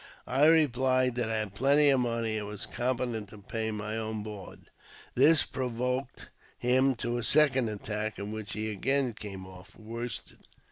I replied that I had plenty of money, and was competent to pay my own board. This provoked him to a second attack, in which he again came off worsted.